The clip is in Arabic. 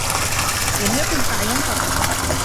لم يكن سعيدا قطّ.